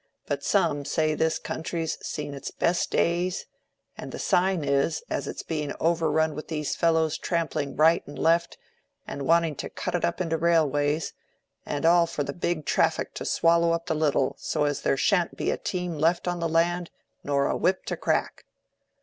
"But some say this country's seen its best days, and the sign is, as it's being overrun with these fellows trampling right and left, and wanting to cut it up into railways; and all for the big traffic to swallow up the little, so as there shan't be a team left on the land, nor a whip to crack."